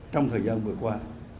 trong thời gian vừa qua